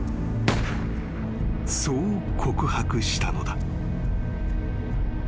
［そう告白したのだ］